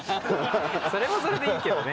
それもそれでいいけどね。